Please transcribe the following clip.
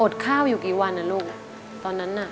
ข้าวอยู่กี่วันนะลูกตอนนั้นน่ะ